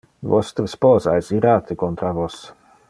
Vostre sposa es irate contra vos.